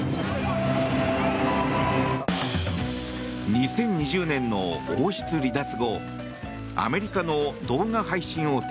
２０２０年の王室離脱後アメリカの動画配信大手